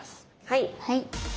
はい！